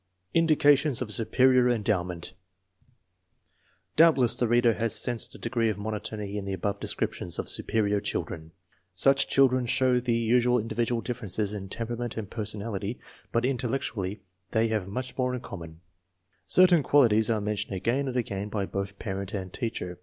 Indications of superior endowment. Doubtless the reader has sensed a degree of monotony in the above descriptions of superior children. Such children show the usual individual differences in temperament and personality, but intellectually they have much in com mon. Certain qualities are mentioned again and again by both parent and teacher.